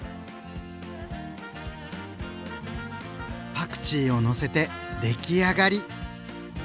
パクチーをのせて出来上がり！